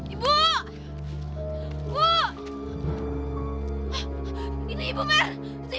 ibu mer ayo cepetan